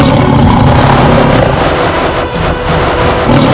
aku tidak mau berpikir seperti itu